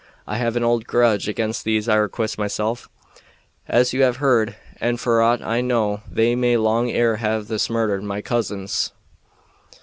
I have an old grudge against these Iroquois myself, as you have heard; and for aught I know they may long ere this have murdered my cousins."